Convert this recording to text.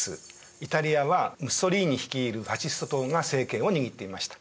イタリアはムッソリーニ率いるファシスト党が政権を握っていました。